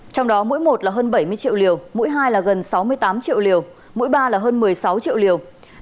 trong đó mỗi một là hơn bảy mươi triệu liều mũi hai là gần sáu mươi tám triệu liều mỗi ba là hơn một mươi sáu triệu liều